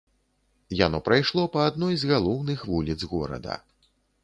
Яно прайшло па адной з галоўных вуліц горада.